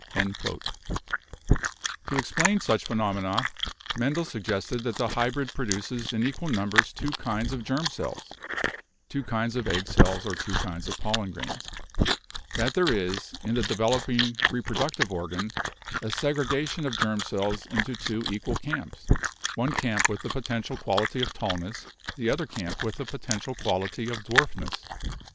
To explain such phenomena Mendel suggested that the hybrid produces in equal numbers two kinds of germ cells (two kinds of egg cells or two kinds of pollen grains) — that there is is in the developing reproductive organ a segregation of germ cells into two equal camps, one camp ■with the potential quality of tallness, the other camp with the potential quality of dwarfness.